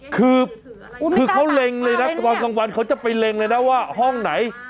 คือเขาเล็งเลยนะตอนกลางวันเขาจะไปเล็งเลยนะว่าห้องไหน